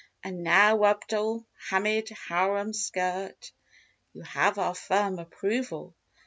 Now, Abdul Hamid harem skirt. You have our firm approval.